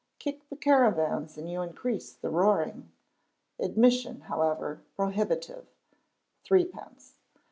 Kick the caravans and you increase the roaring. Admission, however, prohibitive (threepence).